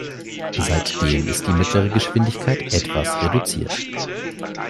Seitdem ist die mittlere Geschwindigkeit etwas reduziert.